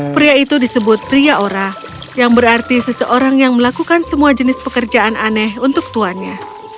pria itu disebut pria ora yang berarti seseorang yang melakukan semua jenis pekerjaan aneh untuk tuannya